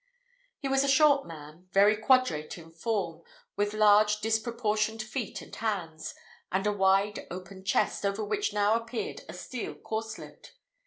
He was a short man, very quadrate in form, with large, disproportioned feet and hands, and a wide, open chest, over which now appeared a steel corslet.